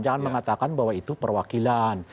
jangan mengatakan bahwa itu perwakilan